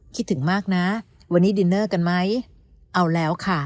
คิดถึงมากนะวันนี้ดินเนอร์กันไหมเอาแล้วค่ะ